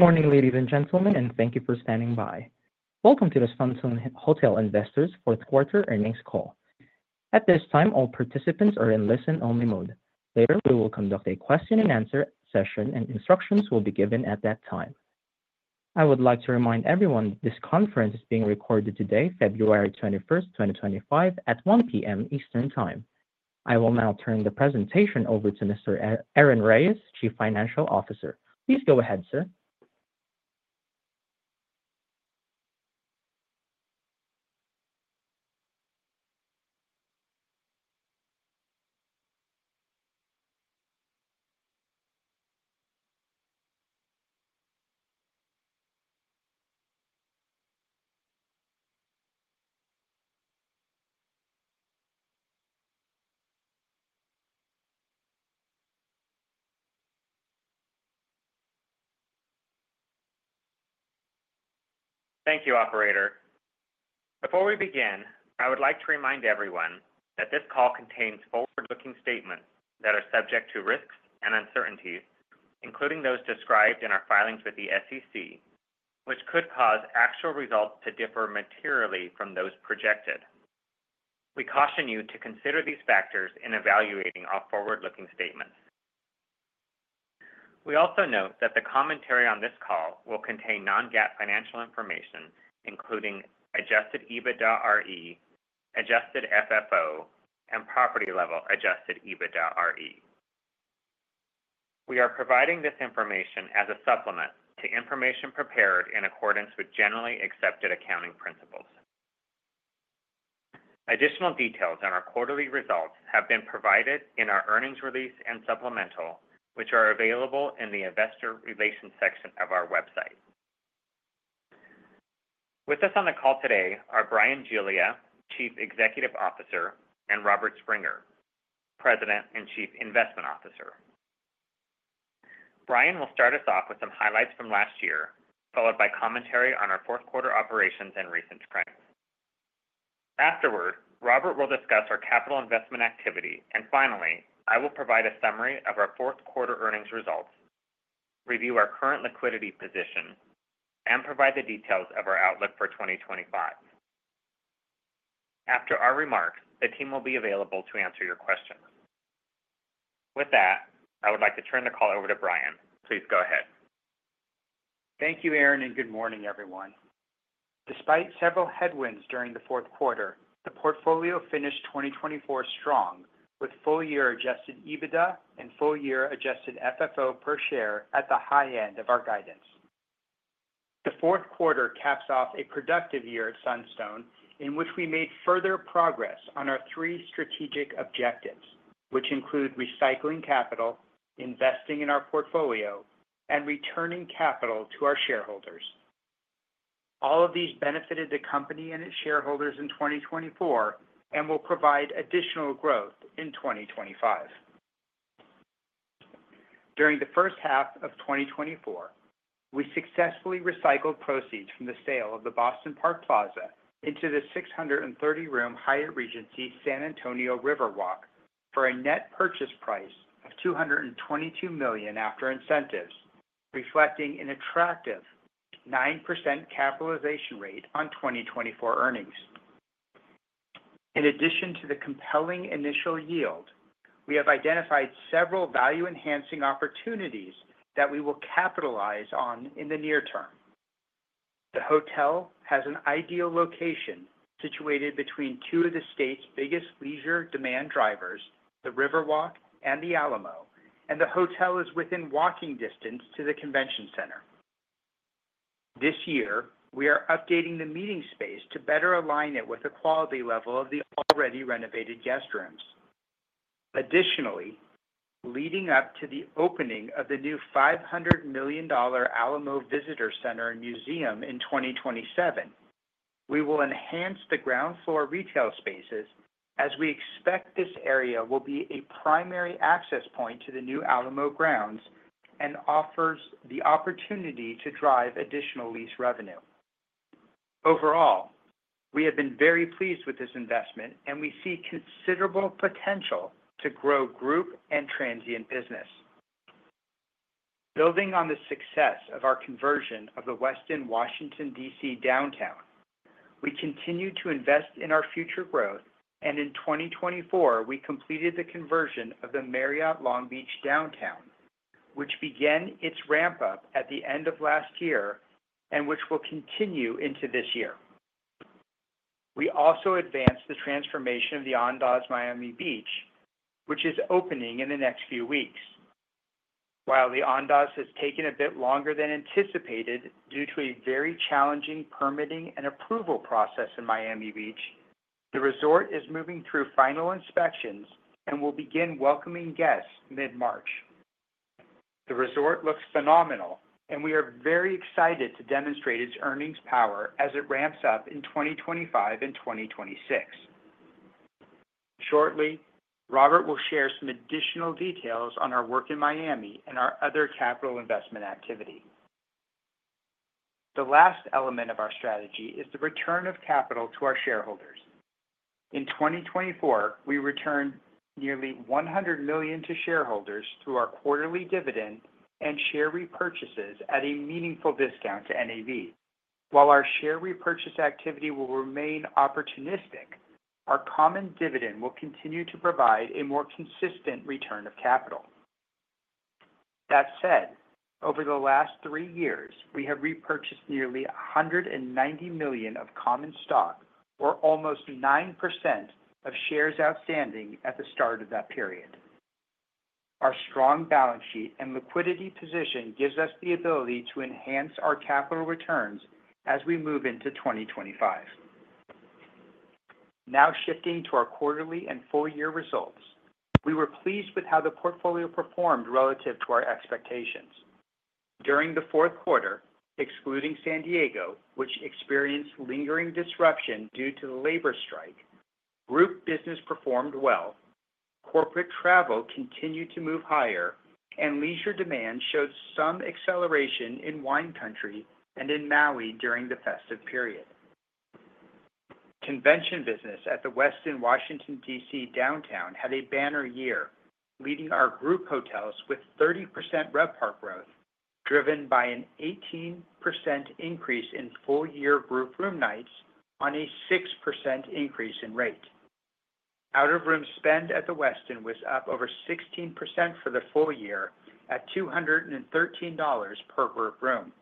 Good morning, ladies and gentlemen, and thank you for standing by. Welcome to the Sunstone Hotel Investors' fourth quarter earnings call. At this time, all participants are in listen-only mode. Later, we will conduct a question-and-answer session, and instructions will be given at that time. I would like to remind everyone that this conference is being recorded today, February 21st, 2025, at 1:00 P.M. Eastern Time. I will now turn the presentation over to Mr. Aaron Reyes, Chief Financial Officer. Please go ahead, sir. Thank you, Operator. Before we begin, I would like to remind everyone that this call contains forward-looking statements that are subject to risks and uncertainties, including those described in our filings with the SEC, which could cause actual results to differ materially from those projected. We caution you to consider these factors in evaluating our forward-looking statements. We also note that the commentary on this call will contain non-GAAP financial information, including Adjusted EBITDAre, Adjusted FFO, and property-level Adjusted EBITDAre. We are providing this information as a supplement to information prepared in accordance with generally accepted accounting principles. Additional details on our quarterly results have been provided in our earnings release and supplemental, which are available in the investor relations section of our website. With us on the call today are Bryan Giglia, Chief Executive Officer, and Robert Springer, President and Chief Investment Officer. Bryan will start us off with some highlights from last year, followed by commentary on our fourth quarter operations and recent trends. Afterward, Robert will discuss our capital investment activity, and finally, I will provide a summary of our fourth quarter earnings results, review our current liquidity position, and provide the details of our outlook for 2025. After our remarks, the team will be available to answer your questions. With that, I would like to turn the call over to Bryan. Please go ahead. Thank you, Aaron, and good morning, everyone. Despite several headwinds during the fourth quarter, the portfolio finished 2024 strong, with full-year Adjusted EBITDA and full-year Adjusted FFO per share at the high end of our guidance. The fourth quarter caps off a productive year at Sunstone, in which we made further progress on our three strategic objectives, which include recycling capital, investing in our portfolio, and returning capital to our shareholders. All of these benefited the company and its shareholders in 2024 and will provide additional growth in 2025. During the first half of 2024, we successfully recycled proceeds from the sale of the Boston Park Plaza into the 630-room Hyatt Regency San Antonio Riverwalk for a net purchase price of $222 million after incentives, reflecting an attractive 9% capitalization rate on 2024 earnings. In addition to the compelling initial yield, we have identified several value-enhancing opportunities that we will capitalize on in the near term. The hotel has an ideal location situated between two of the state's biggest leisure demand drivers, the Riverwalk and the Alamo, and the hotel is within walking distance to the convention center. This year, we are updating the meeting space to better align it with the quality level of the already renovated guest rooms. Additionally, leading up to the opening of the new $500 million Alamo Visitor Center and Museum in 2027, we will enhance the ground floor retail spaces, as we expect this area will be a primary access point to the new Alamo grounds and offers the opportunity to drive additional lease revenue. Overall, we have been very pleased with this investment, and we see considerable potential to grow group and transient business. Building on the success of our conversion of the Westin Washington, D.C. Downtown, we continue to invest in our future growth, and in 2024, we completed the conversion of the Marriott Long Beach Downtown, which began its ramp-up at the end of last year and which will continue into this year. We also advanced the transformation of the Andaz Miami Beach, which is opening in the next few weeks. While the Andaz has taken a bit longer than anticipated due to a very challenging permitting and approval process in Miami Beach, the resort is moving through final inspections and will begin welcoming guests mid-March. The resort looks phenomenal, and we are very excited to demonstrate its earnings power as it ramps up in 2025 and 2026. Shortly, Robert will share some additional details on our work in Miami and our other capital investment activity. The last element of our strategy is the return of capital to our shareholders. In 2024, we returned nearly $100 million to shareholders through our quarterly dividend and share repurchases at a meaningful discount to NAV. While our share repurchase activity will remain opportunistic, our common dividend will continue to provide a more consistent return of capital. That said, over the last three years, we have repurchased nearly $190 million of common stock, or almost 9% of shares outstanding at the start of that period. Our strong balance sheet and liquidity position gives us the ability to enhance our capital returns as we move into 2025. Now shifting to our quarterly and full-year results, we were pleased with how the portfolio performed relative to our expectations. During the fourth quarter, excluding San Diego, which experienced lingering disruption due to the labor strike, group business performed well, corporate travel continued to move higher, and leisure demand showed some acceleration in Wine Country and in Maui during the festive period. Convention business at the Westin Washington, D.C. Downtown had a banner year, leading our group hotels with 30% RevPAR growth, driven by an 18% increase in full-year group room nights on a 6% increase in rate. Out-of-room spend at the Westin was up over 16% for the full year at $213 per group room.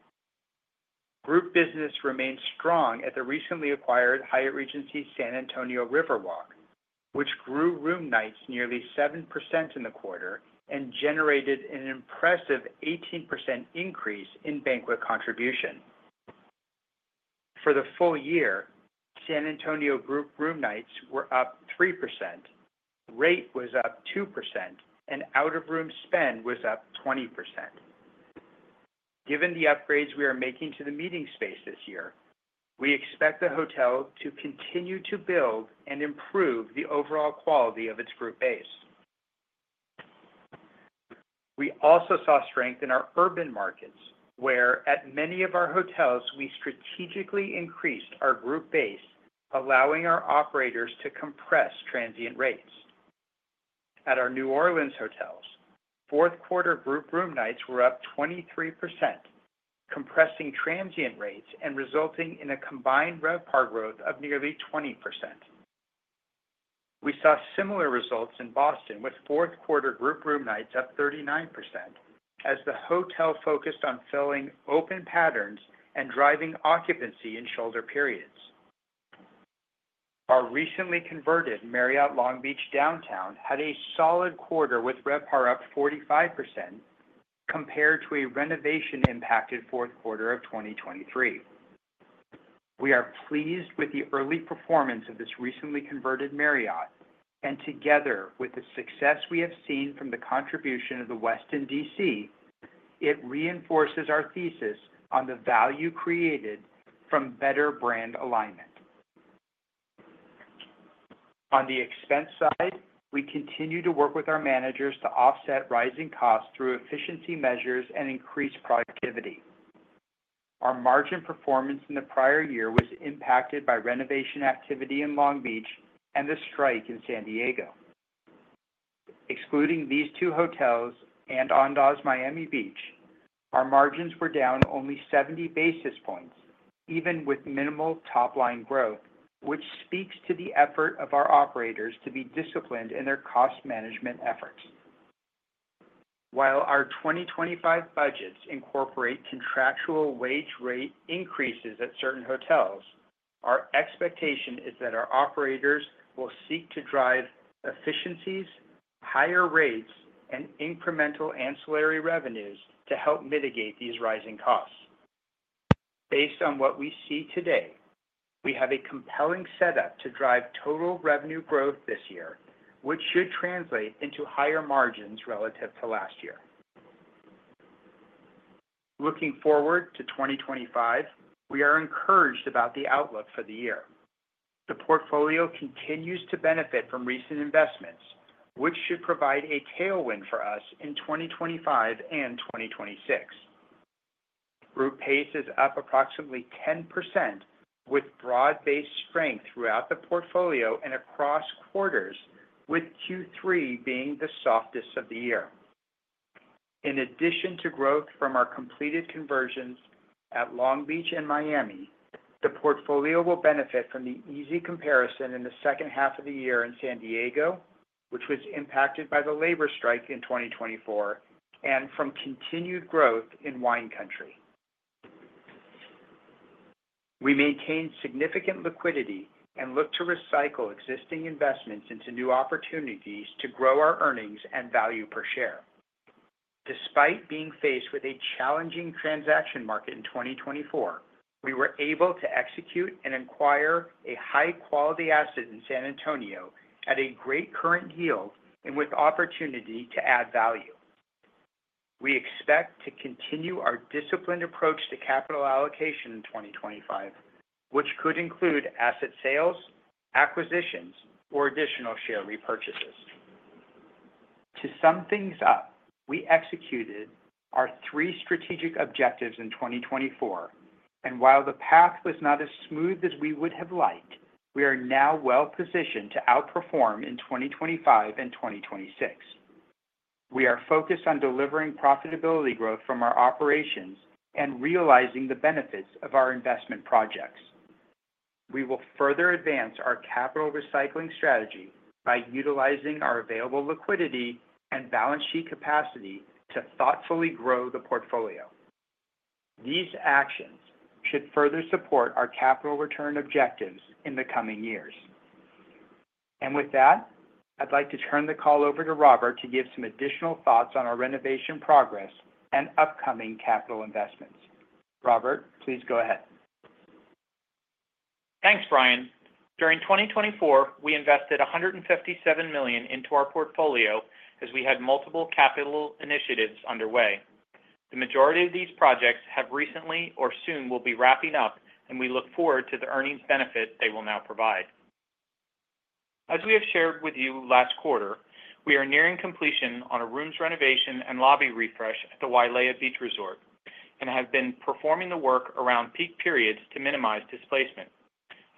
Group business remained strong at the recently acquired Hyatt Regency San Antonio Riverwalk, which grew room nights nearly 7% in the quarter and generated an impressive 18% increase in banquet contribution. For the full year, San Antonio group room nights were up 3%, rate was up 2%, and out-of-room spend was up 20%. Given the upgrades we are making to the meeting space this year, we expect the hotel to continue to build and improve the overall quality of its group base. We also saw strength in our urban markets, where at many of our hotels, we strategically increased our group base, allowing our operators to compress transient rates. At our New Orleans hotels, fourth quarter group room nights were up 23%, compressing transient rates and resulting in a combined RevPAR growth of nearly 20%. We saw similar results in Boston with fourth quarter group room nights up 39%, as the hotel focused on filling open patterns and driving occupancy in shoulder periods. Our recently converted Marriott Long Beach Downtown had a solid quarter with RevPAR up 45% compared to a renovation-impacted fourth quarter of 2023. We are pleased with the early performance of this recently converted Marriott, and together with the success we have seen from the contribution of the Westin D.C., it reinforces our thesis on the value created from better brand alignment. On the expense side, we continue to work with our managers to offset rising costs through efficiency measures and increased productivity. Our margin performance in the prior year was impacted by renovation activity in Long Beach and the strike in San Diego. Excluding these two hotels and Andaz Miami Beach, our margins were down only 70 basis points, even with minimal top-line growth, which speaks to the effort of our operators to be disciplined in their cost management efforts. While our 2025 budgets incorporate contractual wage rate increases at certain hotels, our expectation is that our operators will seek to drive efficiencies, higher rates, and incremental ancillary revenues to help mitigate these rising costs. Based on what we see today, we have a compelling setup to drive total revenue growth this year, which should translate into higher margins relative to last year. Looking forward to 2025, we are encouraged about the outlook for the year. The portfolio continues to benefit from recent investments, which should provide a tailwind for us in 2025 and 2026. Group pace is up approximately 10%, with broad-based strength throughout the portfolio and across quarters, with Q3 being the softest of the year. In addition to growth from our completed conversions at Long Beach and Miami, the portfolio will benefit from the easy comparison in the second half of the year in San Diego, which was impacted by the labor strike in 2024, and from continued growth in Wine Country. We maintain significant liquidity and look to recycle existing investments into new opportunities to grow our earnings and value per share. Despite being faced with a challenging transaction market in 2024, we were able to execute and acquire a high-quality asset in San Antonio at a great current yield and with opportunity to add value. We expect to continue our disciplined approach to capital allocation in 2025, which could include asset sales, acquisitions, or additional share repurchases. To sum things up, we executed our three strategic objectives in 2024, and while the path was not as smooth as we would have liked, we are now well-positioned to outperform in 2025 and 2026. We are focused on delivering profitability growth from our operations and realizing the benefits of our investment projects. We will further advance our capital recycling strategy by utilizing our available liquidity and balance sheet capacity to thoughtfully grow the portfolio. These actions should further support our capital return objectives in the coming years. With that, I'd like to turn the call over to Robert to give some additional thoughts on our renovation progress and upcoming capital investments. Robert, please go ahead. Thanks, Bryan. During 2024, we invested $157 million into our portfolio as we had multiple capital initiatives underway. The majority of these projects have recently or soon will be wrapping up, and we look forward to the earnings benefit they will now provide. As we have shared with you last quarter, we are nearing completion on a rooms renovation and lobby refresh at the Wailea Beach Resort and have been performing the work around peak periods to minimize displacement.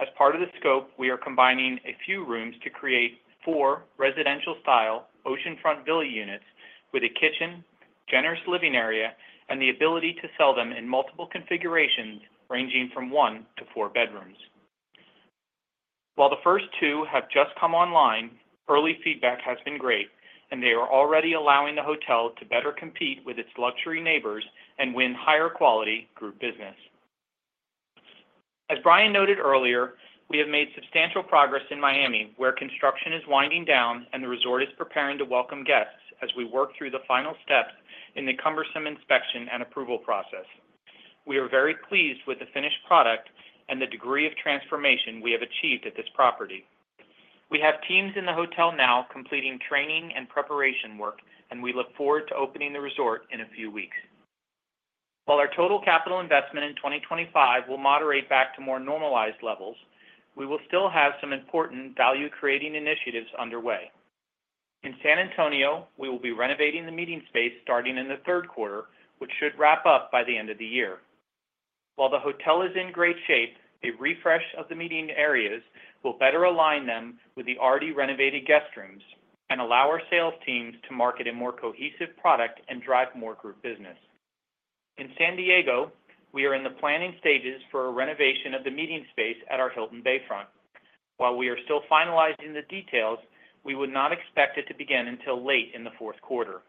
As part of the scope, we are combining a few rooms to create four residential-style oceanfront villa units with a kitchen, generous living area, and the ability to sell them in multiple configurations ranging from one to four bedrooms. While the first two have just come online, early feedback has been great, and they are already allowing the hotel to better compete with its luxury neighbors and win higher quality group business. As Bryan noted earlier, we have made substantial progress in Miami, where construction is winding down and the resort is preparing to welcome guests as we work through the final steps in the cumbersome inspection and approval process. We are very pleased with the finished product and the degree of transformation we have achieved at this property. We have teams in the hotel now completing training and preparation work, and we look forward to opening the resort in a few weeks. While our total capital investment in 2025 will moderate back to more normalized levels, we will still have some important value-creating initiatives underway. In San Antonio, we will be renovating the meeting space starting in the third quarter, which should wrap up by the end of the year. While the hotel is in great shape, a refresh of the meeting areas will better align them with the already renovated guest rooms and allow our sales teams to market a more cohesive product and drive more group business. In San Diego, we are in the planning stages for a renovation of the meeting space at our Hilton Bayfront. While we are still finalizing the details, we would not expect it to begin until late in the fourth quarter.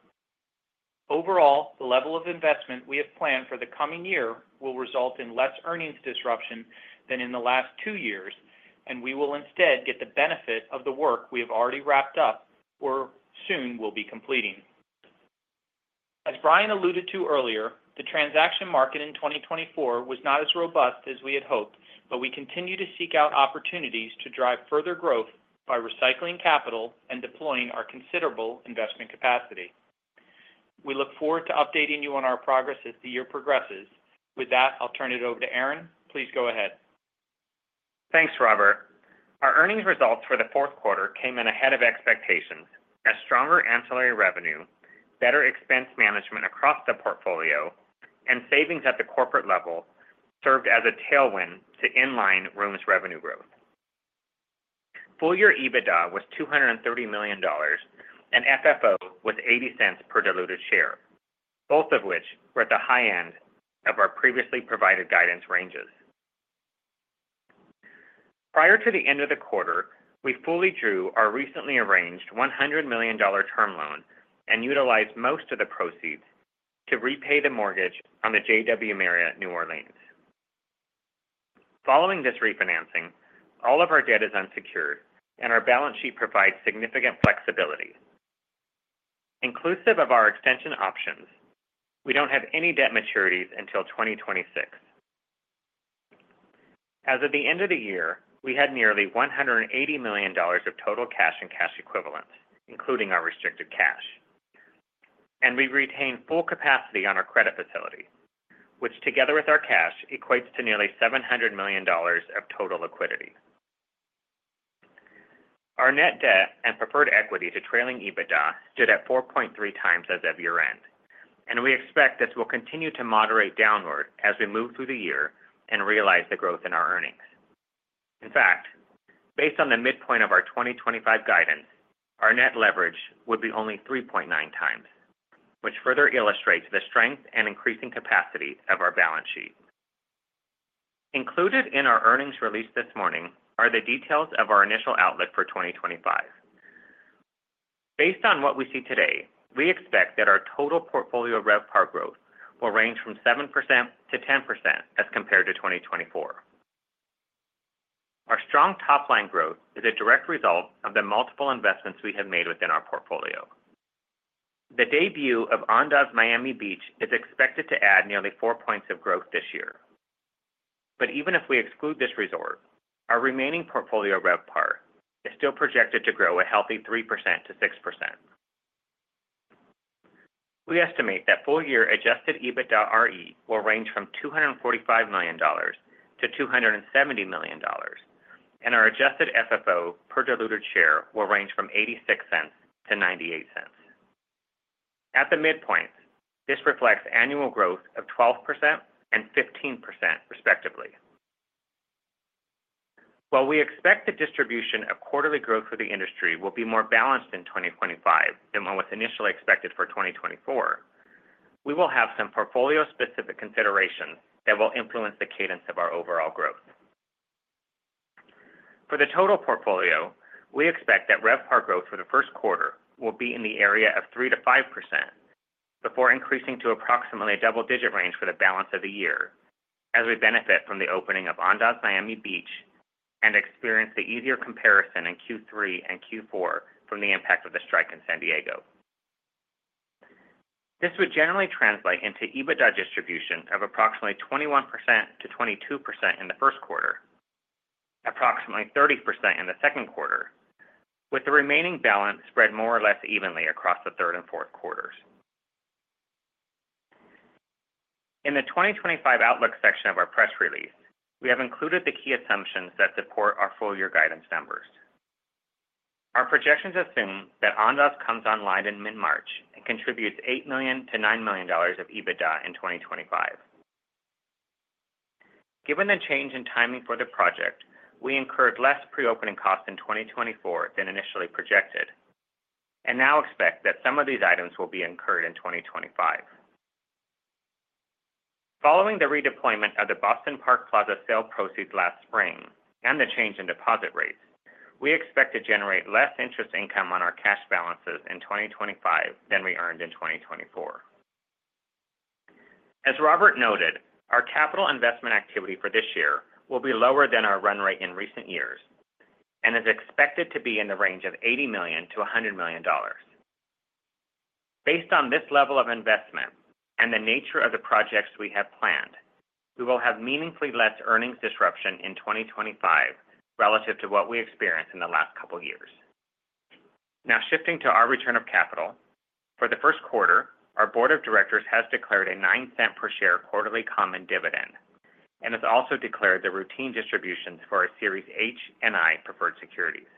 Overall, the level of investment we have planned for the coming year will result in less earnings disruption than in the last two years, and we will instead get the benefit of the work we have already wrapped up or soon will be completing. As Bryan alluded to earlier, the transaction market in 2024 was not as robust as we had hoped, but we continue to seek out opportunities to drive further growth by recycling capital and deploying our considerable investment capacity. We look forward to updating you on our progress as the year progresses. With that, I'll turn it over to Aaron. Please go ahead. Thanks, Robert. Our earnings results for the fourth quarter came in ahead of expectations as stronger ancillary revenue, better expense management across the portfolio, and savings at the corporate level served as a tailwind to in-line rooms revenue growth. Full-year EBITDA was $230 million and FFO was $0.80 per diluted share, both of which were at the high end of our previously provided guidance ranges. Prior to the end of the quarter, we fully drew our recently arranged $100 million term loan and utilized most of the proceeds to repay the mortgage on the JW Marriott New Orleans. Following this refinancing, all of our debt is unsecured, and our balance sheet provides significant flexibility. Inclusive of our extension options, we don't have any debt maturities until 2026. As of the end of the year, we had nearly $180 million of total cash and cash equivalents, including our restricted cash, and we retained full capacity on our credit facility, which together with our cash equates to nearly $700 million of total liquidity. Our net debt and preferred equity to trailing EBITDA stood at 4.3x as of year-end, and we expect this will continue to moderate downward as we move through the year and realize the growth in our earnings. In fact, based on the midpoint of our 2025 guidance, our net leverage would be only 3.9x, which further illustrates the strength and increasing capacity of our balance sheet. Included in our earnings release this morning are the details of our initial outlook for 2025. Based on what we see today, we expect that our total portfolio RevPAR growth will range from 7%-10% as compared to 2024. Our strong top-line growth is a direct result of the multiple investments we have made within our portfolio. The debut of Andaz Miami Beach is expected to add nearly four points of growth this year. But even if we exclude this resort, our remaining portfolio RevPAR is still projected to grow a healthy 3%-6%. We estimate that full-year Adjusted EBITDAre will range from $245 million-$270 million, and our Adjusted FFO per diluted share will range from $0.86-$0.98. At the midpoint, this reflects annual growth of 12% and 15%, respectively. While we expect the distribution of quarterly growth for the industry will be more balanced in 2025 than what was initially expected for 2024, we will have some portfolio-specific considerations that will influence the cadence of our overall growth. For the total portfolio, we expect that RevPAR growth for the first quarter will be in the area of 3%-5% before increasing to approximately a double-digit range for the balance of the year, as we benefit from the opening of Andaz Miami Beach and experience the easier comparison in Q3 and Q4 from the impact of the strike in San Diego. This would generally translate into EBITDA distribution of approximately 21%-22% in the first quarter, approximately 30% in the second quarter, with the remaining balance spread more or less evenly across the third and fourth quarters. In the 2025 outlook section of our press release, we have included the key assumptions that support our full-year guidance numbers. Our projections assume that Andaz comes online in mid-March and contributes $8 million-$9 million of EBITDA in 2025. Given the change in timing for the project, we incurred less pre-opening costs in 2024 than initially projected and now expect that some of these items will be incurred in 2025. Following the redeployment of the Boston Park Plaza sale proceeds last spring and the change in deposit rates, we expect to generate less interest income on our cash balances in 2025 than we earned in 2024. As Robert noted, our capital investment activity for this year will be lower than our run rate in recent years and is expected to be in the range of $80 million-$100 million. Based on this level of investment and the nature of the projects we have planned, we will have meaningfully less earnings disruption in 2025 relative to what we experienced in the last couple of years. Now, shifting to our return of capital, for the first quarter, our board of directors has declared a $0.09 per share quarterly common dividend and has also declared the routine distributions for our Series H and Series I Preferred Securities.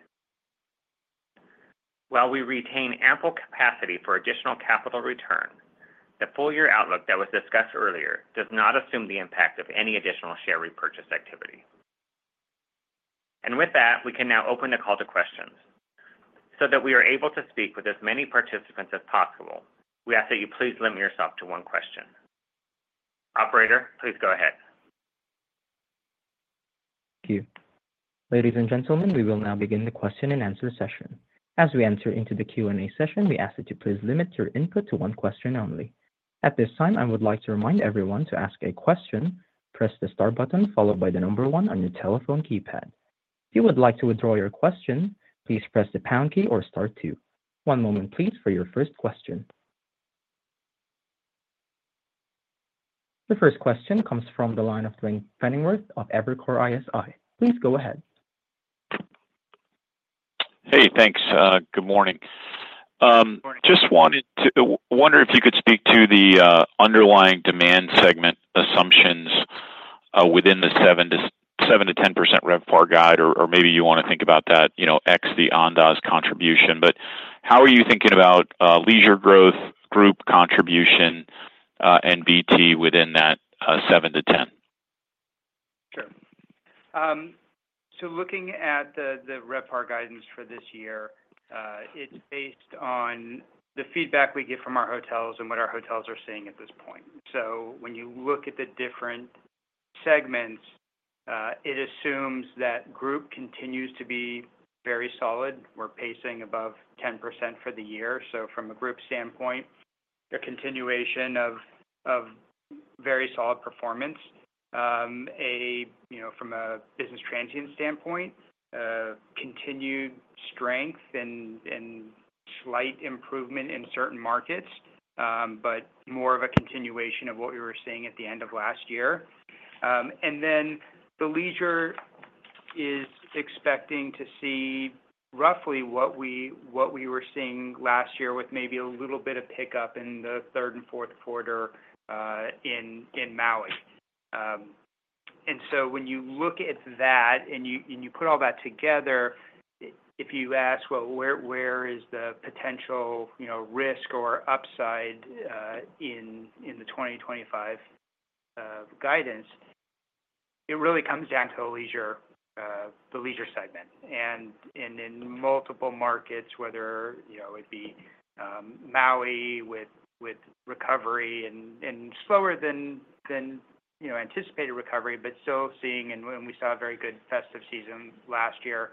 While we retain ample capacity for additional capital return, the full-year outlook that was discussed earlier does not assume the impact of any additional share repurchase activity, and with that, we can now open the call to questions so that we are able to speak with as many participants as possible, we ask that you please limit yourself to one question. Operator, please go ahead. Thank you. Ladies and gentlemen, we will now begin the question-and-answer session. As we enter into the Q&A session, we ask that you please limit your input to one question only. At this time, I would like to remind everyone to ask a question, press the star button followed by the number one on your telephone keypad. If you would like to withdraw your question, please press the pound key or star two. One moment, please, for your first question. The first question comes from the line of Duane Pfennigwerth of Evercore ISI. Please go ahead. Hey, thanks. Good morning. Just wanted to wonder if you could speak to the underlying demand segment assumptions within the 7%-10% RevPAR guide, or maybe you want to think about that, ex the Andaz contribution. But how are you thinking about leisure growth, group contribution, and BT within that 7%-10%? Sure. So looking at the RevPAR guidance for this year, it's based on the feedback we get from our hotels and what our hotels are seeing at this point. So when you look at the different segments, it assumes that group continues to be very solid. We're pacing above 10% for the year. So from a group standpoint, there's continuation of very solid performance. From a business transient standpoint, continued strength and slight improvement in certain markets, but more of a continuation of what we were seeing at the end of last year. And then the leisure is expecting to see roughly what we were seeing last year with maybe a little bit of pickup in the third and fourth quarter in Maui. And so when you look at that and you put all that together, if you ask, well, where is the potential risk or upside in the 2025 guidance, it really comes down to the leisure segment. And in multiple markets, whether it be Maui with recovery and slower than anticipated recovery, but still seeing, and we saw a very good festive season last year,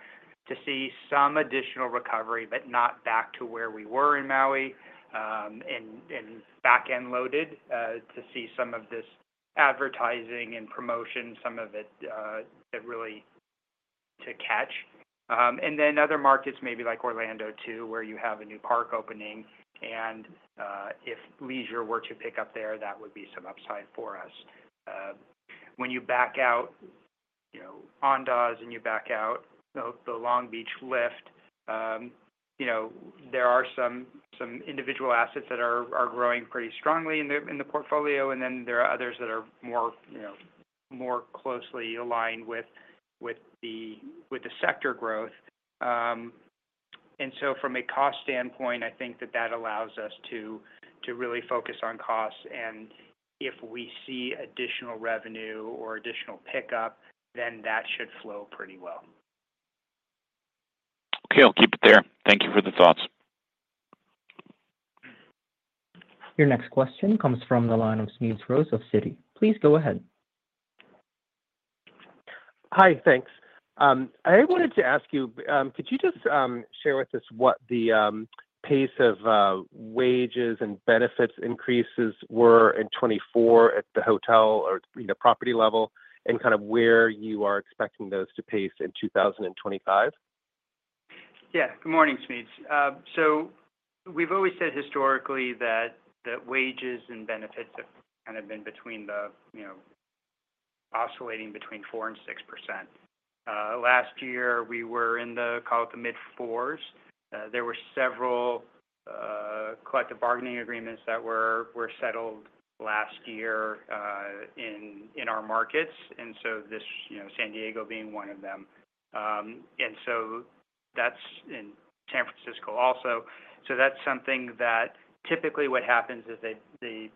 to see some additional recovery, but not back to where we were in Maui and back-end loaded to see some of this advertising and promotion, some of it really to catch. And then other markets, maybe like Orlando too, where you have a new park opening, and if leisure were to pick up there, that would be some upside for us. When you back out Andaz and you back out the Long Beach lift, there are some individual assets that are growing pretty strongly in the portfolio, and then there are others that are more closely aligned with the sector growth. And so from a cost standpoint, I think that that allows us to really focus on costs, and if we see additional revenue or additional pickup, then that should flow pretty well. Okay, I'll keep it there. Thank you for the thoughts. Your next question comes from the line of Smedes Rose of Citi. Please go ahead. Hi, thanks. I wanted to ask you, could you just share with us what the pace of wages and benefits increases were in 2024 at the hotel or property level and kind of where you are expecting those to pace in 2025? Yeah. Good morning, Smedes. So we've always said historically that wages and benefits have kind of been oscillating between 4%-6%. Last year, we were in the, call it the mid-4s. There were several collective bargaining agreements that were settled last year in our markets, and so San Diego being one of them. And so that's in San Francisco also. So that's something that typically what happens is they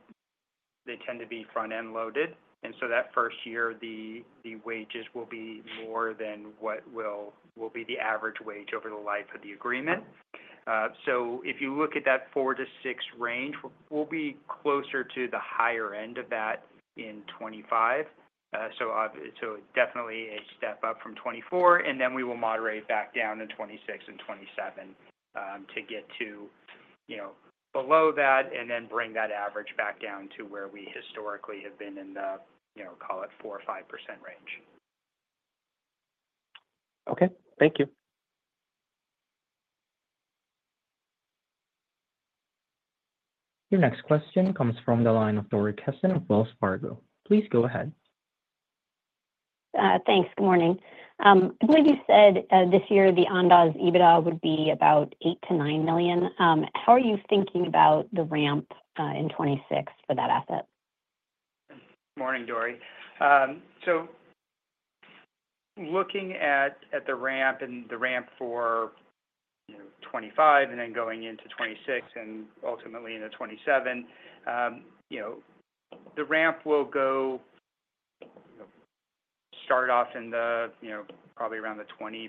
tend to be front-end loaded, and so that first year, the wages will be more than what will be the average wage over the life of the agreement. So if you look at that 4%-6% range, we'll be closer to the higher end of that in 2025. So definitely a step up from 2024, and then we will moderate back down in 2026 and 2027 to get to below that and then bring that average back down to where we historically have been in the, call it 4% or 5% range. Okay. Thank you. Your next question comes from the line of Dori Kesten of Wells Fargo. Please go ahead. Thanks. Good morning. I believe you said this year the Andaz EBITDA would be about $8 million-$9 million. How are you thinking about the ramp in 2026 for that asset? Morning, Dori. So looking at the ramp for 2025 and then going into 2026 and ultimately into 2027, the ramp will start off in probably around the 20%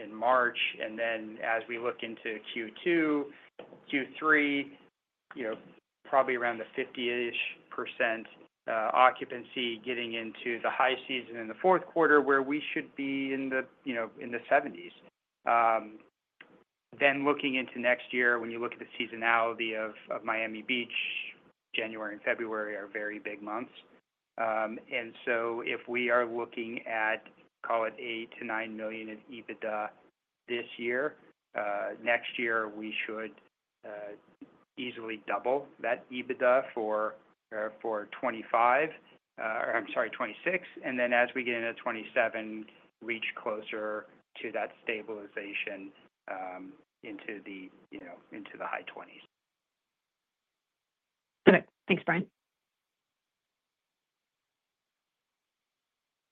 in March, and then as we look into Q2, Q3, probably around the 50-ish% occupancy getting into the high season in the fourth quarter where we should be in the 70s. Then looking into next year, when you look at the seasonality of Miami Beach, January and February are very big months, and so if we are looking at, call it, $8 million-$9 million of EBITDA this year, next year we should easily double that EBITDA for 2025, or I'm sorry, 2026, and then as we get into 2027, reach closer to that stabilization into the high 20s. Got it. Thanks, Bryan.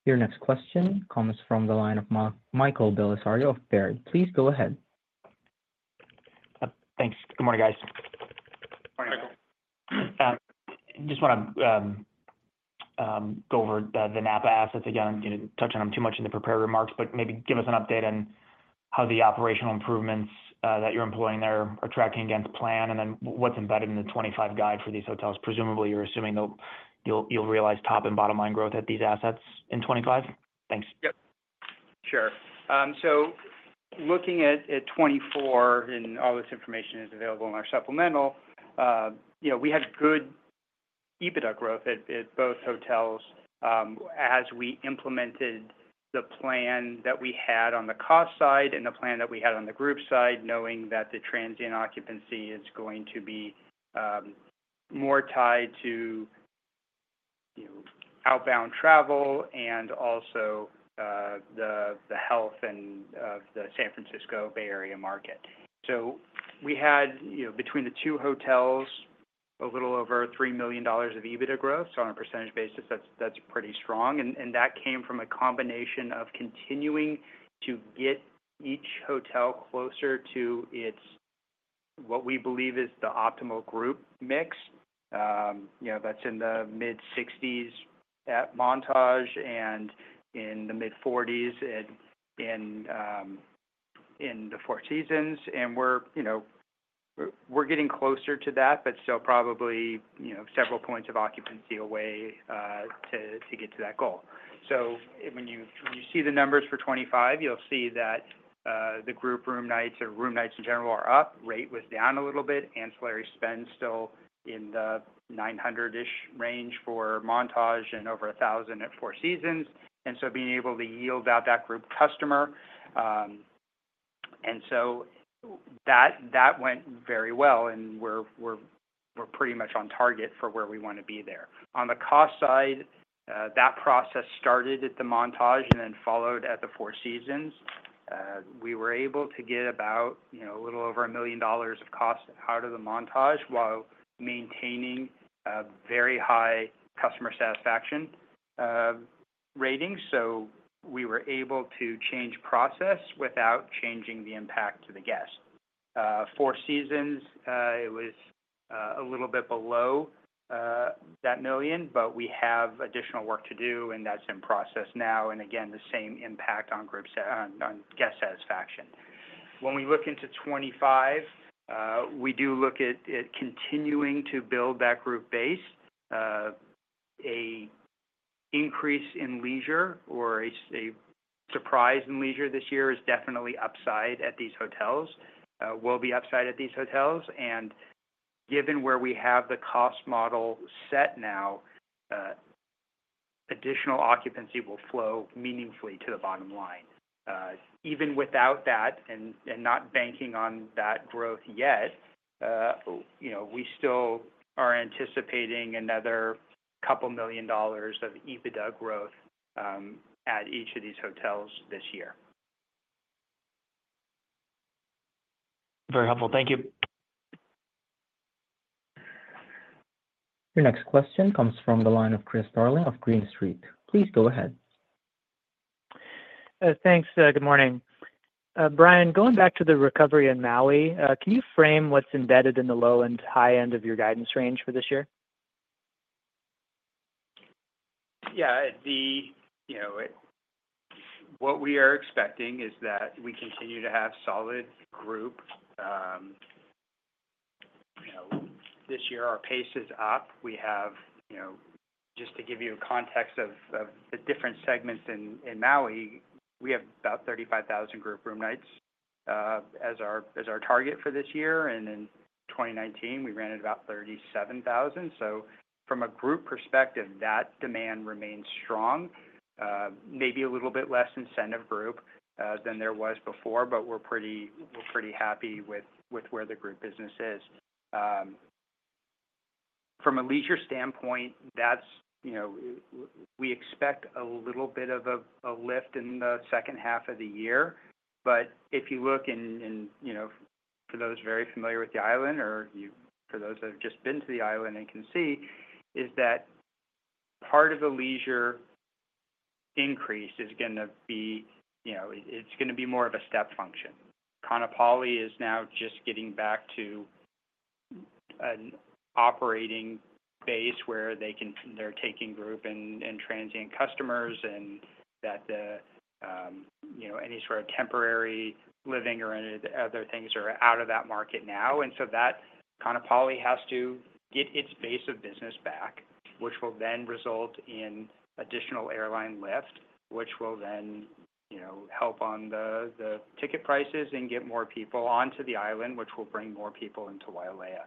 Your next question comes from the line of Michael Bellisario of Baird. Please go ahead. Thanks. Good morning, guys. Morning, Michael. Just want to go over the Napa assets again. You didn't touch on them too much in the prepared remarks, but maybe give us an update on how the operational improvements that you're employing there are tracking against plan and then what's embedded in the 2025 guide for these hotels. Presumably, you're assuming you'll realize top and bottom line growth at these assets in 2025. Thanks. Yep. Sure. So looking at 2024, and all this information is available in our supplemental, we had good EBITDA growth at both hotels as we implemented the plan that we had on the cost side and the plan that we had on the group side, knowing that the transient occupancy is going to be more tied to outbound travel and also the health of the San Francisco Bay Area market. So we had, between the two hotels, a little over $3 million of EBITDA growth. So on a percentage basis, that's pretty strong. And that came from a combination of continuing to get each hotel closer to what we believe is the optimal group mix that's in the mid-60s at Montage and in the mid-40s in the Four Seasons. And we're getting closer to that, but still probably several points of occupancy away to get to that goal. When you see the numbers for 2025, you'll see that the group room nights or room nights in general are up. Rate was down a little bit. Ancillary spend is still in the $900-ish range for Montage and over $1,000 at Four Seasons. Being able to yield out that group customer went very well, and we're pretty much on target for where we want to be there. On the cost side, that process started at the Montage and then followed at the Four Seasons. We were able to get a little over $1 million of cost out of the Montage while maintaining very high customer satisfaction ratings. We were able to change process without changing the impact to the guest. Four Seasons, it was a little bit below that $1 million, but we have additional work to do, and that's in process now, and again, the same impact on guest satisfaction. When we look into 2025, we do look at continuing to build that group base. An increase in leisure or a surprise in leisure this year is definitely upside at these hotels. Will be upside at these hotels. And given where we have the cost model set now, additional occupancy will flow meaningfully to the bottom line. Even without that and not banking on that growth yet, we still are anticipating another $2 million of EBITDA growth at each of these hotels this year. Very helpful. Thank you. Your next question comes from the line of Chris Darling of Green Street. Please go ahead. Thanks. Good morning. Bryan, going back to the recovery in Maui, can you frame what's embedded in the low and high end of your guidance range for this year? Yeah. What we are expecting is that we continue to have solid group. This year, our pace is up. We have, just to give you context of the different segments in Maui, we have about 35,000 group room nights as our target for this year, and in 2019, we ran at about 37,000, so from a group perspective, that demand remains strong. Maybe a little bit less incentive group than there was before, but we're pretty happy with where the group business is. From a leisure standpoint, we expect a little bit of a lift in the second half of the year, but if you look in for those very familiar with the island or for those that have just been to the island and can see, is that part of the leisure increase is going to be it's going to be more of a step function. Kaanapali is now just getting back to an operating base where they're taking group and transient customers and that any sort of temporary living or other things are out of that market now. And so that Kaanapali has to get its base of business back, which will then result in additional airline lift, which will then help on the ticket prices and get more people onto the island, which will bring more people into Wailea.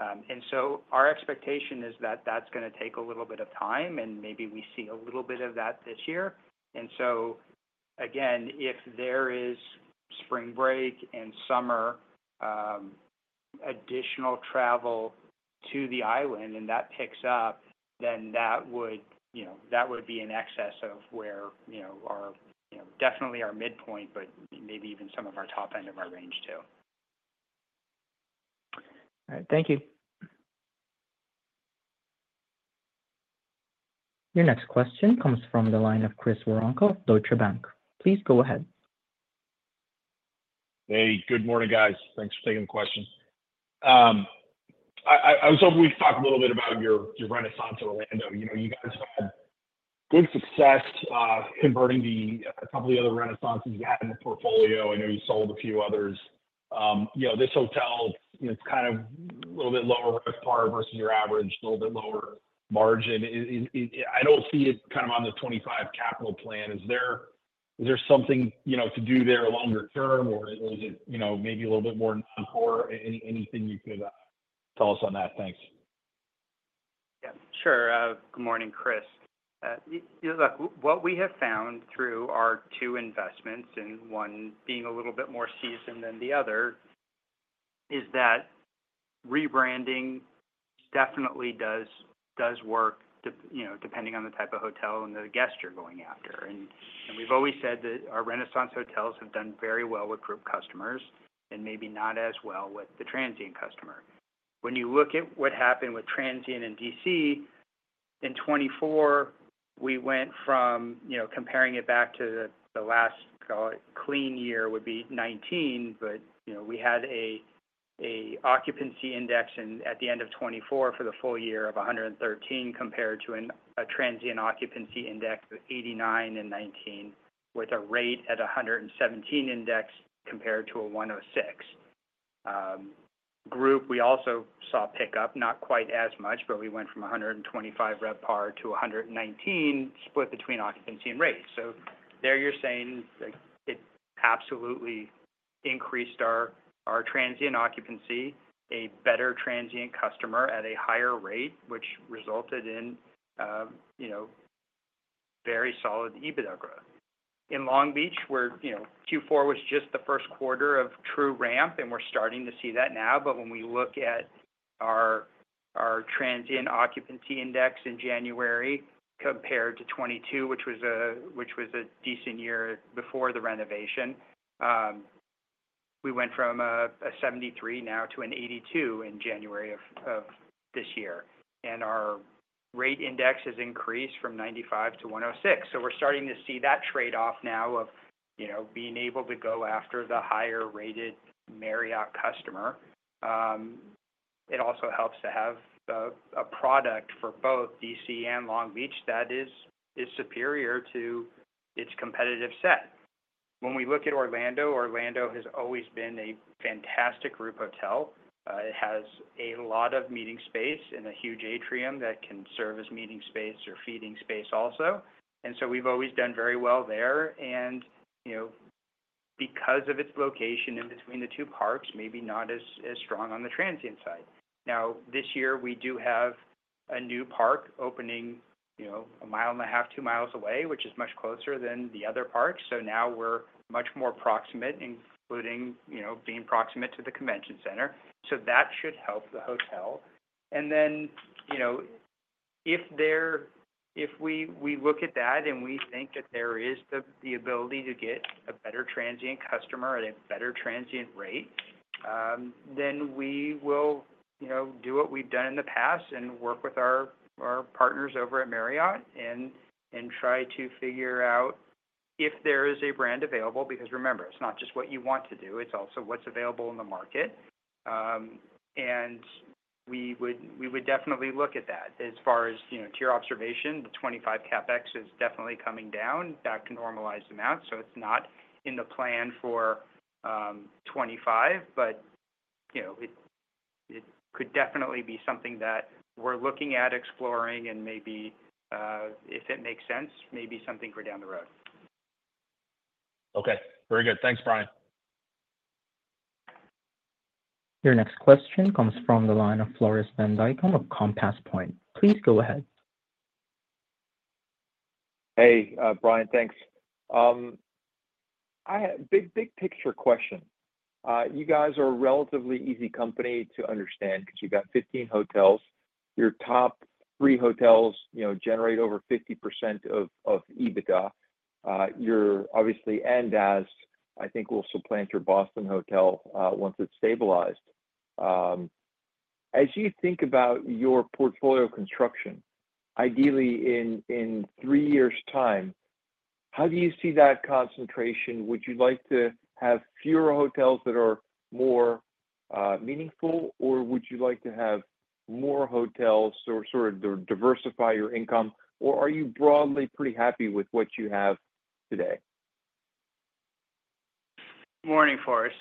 And so our expectation is that that's going to take a little bit of time, and maybe we see a little bit of that this year. And so again, if there is spring break and summer additional travel to the island and that picks up, then that would be in excess of where definitely our midpoint, but maybe even some of our top end of our range too. All right. Thank you. Your next question comes from the line of Chris Woronka of Deutsche Bank. Please go ahead. Hey, good morning, guys. Thanks for taking the question. I was hoping we'd talk a little bit about your Renaissance Orlando. You guys had good success converting a couple of the other Renaissances you had in the portfolio. I know you sold a few others. This hotel is kind of a little bit lower RevPAR versus your average, a little bit lower margin. I don't see it kind of on the 2025 capital plan. Is there something to do there longer term, or is it maybe a little bit more known for? Anything you could tell us on that? Thanks. Yeah. Sure. Good morning, Chris. What we have found through our two investments, and one being a little bit more seasoned than the other, is that rebranding definitely does work depending on the type of hotel and the guests you're going after. And we've always said that our Renaissance hotels have done very well with group customers and maybe not as well with the transient customer. When you look at what happened with transient in D.C. in 2024, we went from comparing it back to the last, call it, clean year would be 2019, but we had an occupancy index at the end of 2024 for the full year of 113 compared to a transient occupancy index of 89 in 2019 with a rate at a 117 index compared to a 106. Group, we also saw pickup, not quite as much, but we went from $125 RevPAR-$119 RevPAR split between occupancy and rate. So there you're saying it absolutely increased our transient occupancy, a better transient customer at a higher rate, which resulted in very solid EBITDA growth. In Long Beach, where Q4 was just the first quarter of true ramp, and we're starting to see that now. But when we look at our transient occupancy index in January compared to 2022, which was a decent year before the renovation, we went from a 73 now to an 82 in January of this year. And our rate index has increased from 95-106. So we're starting to see that trade-off now of being able to go after the higher-rated Marriott customer. It also helps to have a product for both D.C. and Long Beach that is superior to its competitive set. When we look at Orlando, Orlando has always been a fantastic group hotel. It has a lot of meeting space and a huge atrium that can serve as meeting space or feeding space also. And so we've always done very well there. And because of its location in between the two parks, maybe not as strong on the transient side. Now, this year, we do have a new park opening a mile and a half, two miles away, which is much closer than the other parks. So now we're much more proximate, including being proximate to the convention center. So that should help the hotel. And then if we look at that and we think that there is the ability to get a better transient customer at a better transient rate, then we will do what we've done in the past and work with our partners over at Marriott and try to figure out if there is a brand available because, remember, it's not just what you want to do. It's also what's available in the market. And we would definitely look at that. As far as to your observation, the 2025 CapEx is definitely coming down back to normalized amounts. So it's not in the plan for 2025, but it could definitely be something that we're looking at exploring and maybe, if it makes sense, maybe something for down the road. Okay. Very good. Thanks, Bryan. Your next question comes from the line of Floris Van Dijkum of Compass Point. Please go ahead. Hey, Bryan. Thanks. Big picture question. You guys are a relatively easy company to understand because you've got 15 hotels. Your top three hotels generate over 50% of EBITDA. You're obviously and as I think will supplant your Boston hotel once it's stabilized. As you think about your portfolio construction, ideally in three years' time, how do you see that concentration? Would you like to have fewer hotels that are more meaningful, or would you like to have more hotels or sort of diversify your income? Or are you broadly pretty happy with what you have today? Morning, Floris.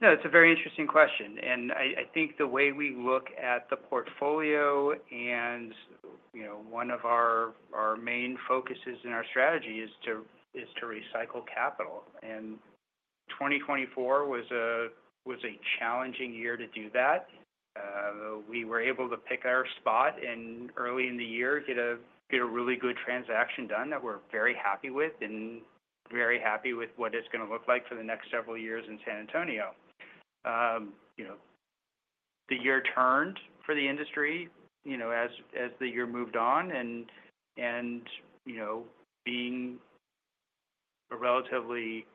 No, it's a very interesting question. And I think the way we look at the portfolio and one of our main focuses in our strategy is to recycle capital. And 2024 was a challenging year to do that. We were able to pick our spot and early in the year get a really good transaction done that we're very happy with and very happy with what it's going to look like for the next several years in San Antonio. The year turned for the industry as the year moved on. And being a relatively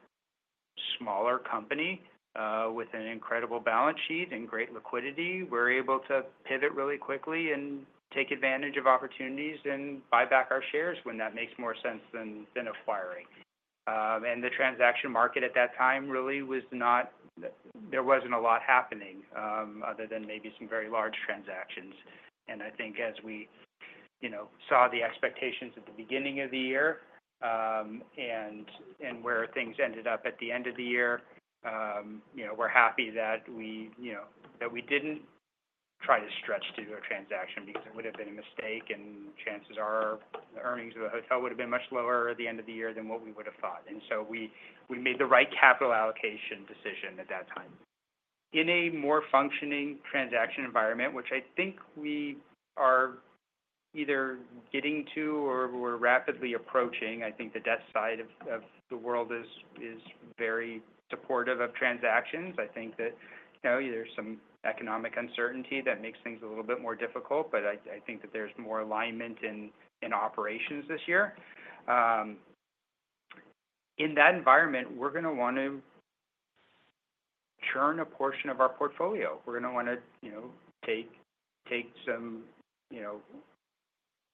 smaller company with an incredible balance sheet and great liquidity, we're able to pivot really quickly and take advantage of opportunities and buy back our shares when that makes more sense than acquiring. And the transaction market at that time really was not. There wasn't a lot happening other than maybe some very large transactions. And I think as we saw the expectations at the beginning of the year and where things ended up at the end of the year, we're happy that we didn't try to stretch through a transaction because it would have been a mistake. And chances are the earnings of the hotel would have been much lower at the end of the year than what we would have thought. And so we made the right capital allocation decision at that time. In a more functioning transaction environment, which I think we are either getting to or we're rapidly approaching, I think the debt side of the world is very supportive of transactions. I think that there's some economic uncertainty that makes things a little bit more difficult, but I think that there's more alignment in operations this year. In that environment, we're going to want to churn a portion of our portfolio. We're going to want to take some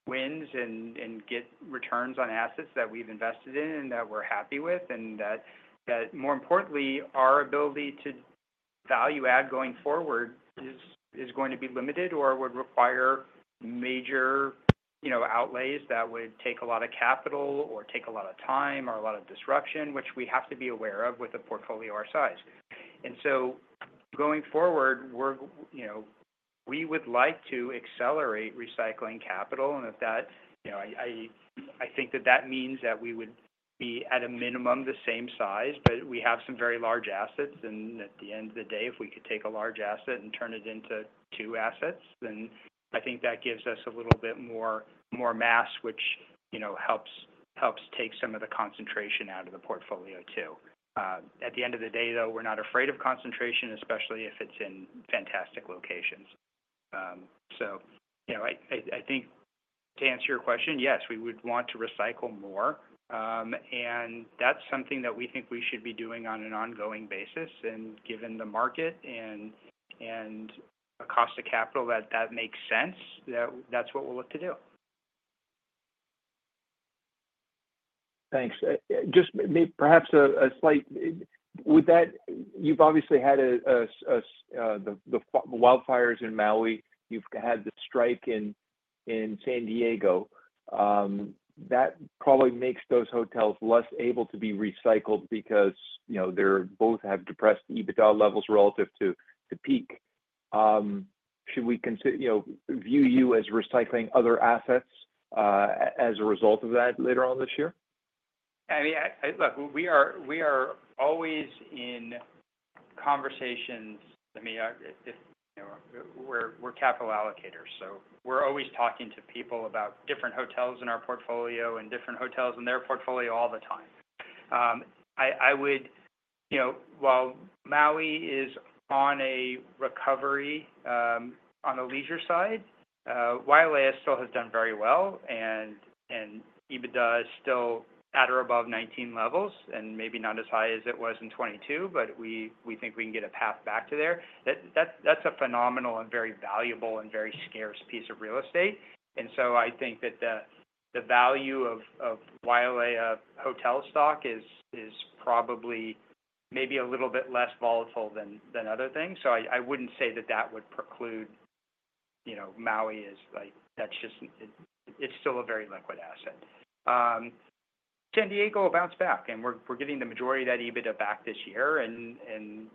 wins and get returns on assets that we've invested in and that we're happy with. And that, more importantly, our ability to value add going forward is going to be limited or would require major outlays that would take a lot of capital or take a lot of time or a lot of disruption, which we have to be aware of with a portfolio our size. And so going forward, we would like to accelerate recycling capital. And I think that that means that we would be at a minimum the same size, but we have some very large assets. And at the end of the day, if we could take a large asset and turn it into two assets, then I think that gives us a little bit more mass, which helps take some of the concentration out of the portfolio too. At the end of the day, though, we're not afraid of concentration, especially if it's in fantastic locations. So I think to answer your question, yes, we would want to recycle more. And that's something that we think we should be doing on an ongoing basis. And given the market and the cost of capital, that makes sense that that's what we'll look to do. Thanks. Just perhaps, as you've obviously had the wildfires in Maui. You've had the strike in San Diego. That probably makes those hotels less able to be recycled because they both have depressed EBITDA levels relative to peak. Should we view you as recycling other assets as a result of that later on this year? I mean, look, we are always in conversations. I mean, we're capital allocators. So we're always talking to people about different hotels in our portfolio and different hotels in their portfolio all the time. I would say, while Maui is on a recovery on the leisure side, Wailea still has done very well. EBITDA is still at or above 2019 levels and maybe not as high as it was in 2022, but we think we can get a path back to there. That's a phenomenal and very valuable and very scarce piece of real estate. I think that the value of Wailea hotel stock is probably maybe a little bit less volatile than other things. I wouldn't say that that would preclude Maui as that's just, it's still a very liquid asset. San Diego bounced back, and we're getting the majority of that EBITDA back this year.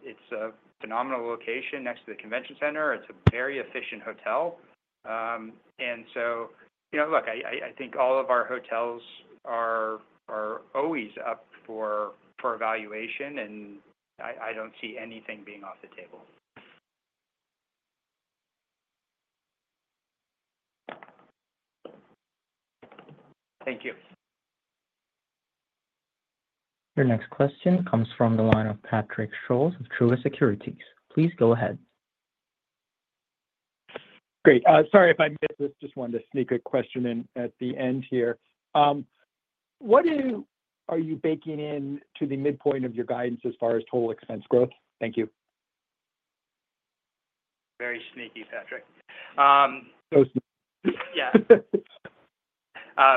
It's a phenomenal location next to the convention center. It's a very efficient hotel. And so, look, I think all of our hotels are always up for evaluation, and I don't see anything being off the table. Thank you. Your next question comes from the line of Patrick Scholes of Truist Securities. Please go ahead. Great. Sorry if I missed this. Just wanted to sneak a question in at the end here. What are you baking into the midpoint of your guidance as far as total expense growth? Thank you. Very sneaky, Patrick. Yeah.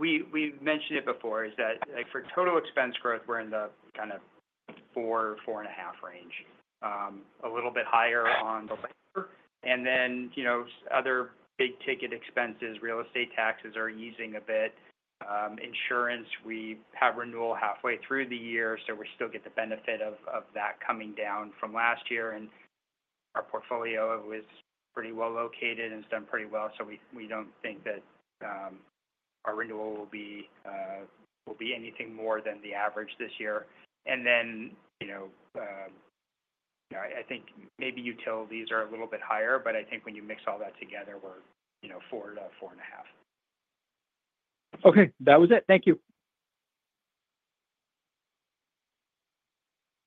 We've mentioned it before, is that for total expense growth, we're in the kind of 4%-4.5% range, a little bit higher on the labor. And then other big ticket expenses, real estate taxes are easing a bit. Insurance, we have renewal halfway through the year, so we still get the benefit of that coming down from last year. And our portfolio was pretty well located and has done pretty well. So we don't think that our renewal will be anything more than the average this year. And then I think maybe utilities are a little bit higher, but I think when you mix all that together, we're 4%-4.5%. Okay. That was it. Thank you.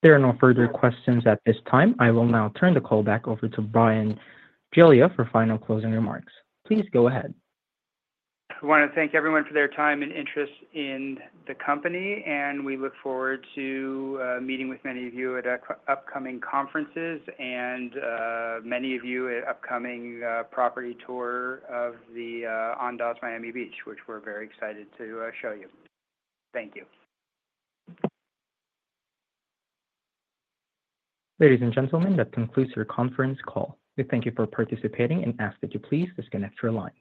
There are no further questions at this time. I will now turn the call back over to Bryan Giglia for final closing remarks. Please go ahead. I want to thank everyone for their time and interest in the company, and we look forward to meeting with many of you at upcoming conferences and many of you at upcoming property tour of the Andaz Miami Beach, which we're very excited to show you. Thank you. Ladies and gentlemen, that concludes your conference call. We thank you for participating and ask that you please disconnect your line.